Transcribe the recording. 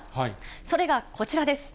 それがこちらです。